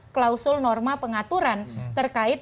klausul norma pengaturan terkait